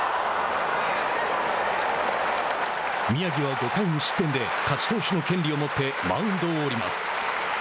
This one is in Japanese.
宮城は５回無失点で勝ち投手の権利を持ってマウンドを降ります。